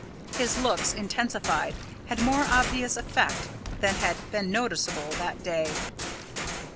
His looks, intensified, had more obvious effect than had been noticeable that day.